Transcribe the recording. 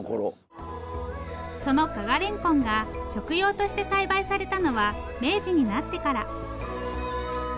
その加賀れんこんが食用として栽培されたのは明治になってから。